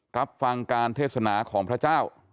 รับฟังการเทศนาของพระเจ้า